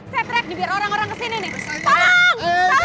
setrek nih biar orang orang ke sini nih